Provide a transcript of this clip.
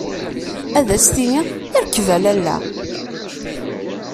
Ad as-tini: Rkeb a Lalla.